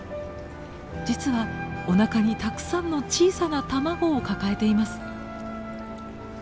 実はおなかにたくさんの小さな卵を抱えています。